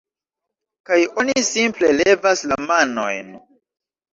kaj oni simple levas la manojn